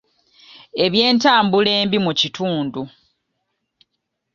Ebyentambula embi mu kitundu.